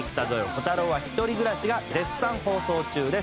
コタローは１人暮らし』が絶賛放送中です。